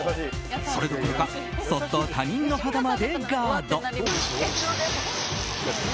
それどころか、そっと他人の肌までガード。